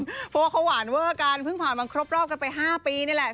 เพราะว่าเขาหวานเวอร์กันเพิ่งผ่านมาครบรอบกันไป๕ปีนี่แหละ